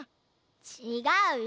ちがうよ。